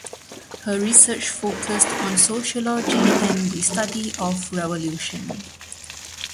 Her research focused on sociology and the study of revolution.